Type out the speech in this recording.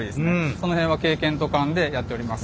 その辺は経験と勘でやっております。